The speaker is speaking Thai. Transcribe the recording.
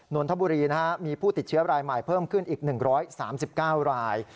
นนทบุรีมีผู้ติดเชื้อรายใหม่เพิ่มขึ้นอีก๑๓๙ราย